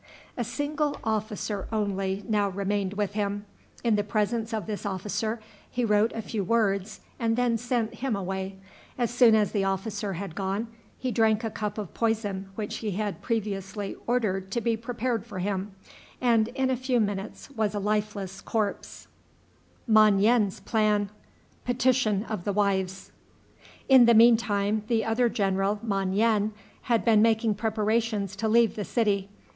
A single officer only now remained with him. In the presence of this officer he wrote a few words, and then sent him away. As soon as the officer had gone, he drank a cup of poison which he had previously ordered to be prepared for him, and in a few minutes was a lifeless corpse. In the mean time, the other general, Mon yen, had been making preparations to leave the city.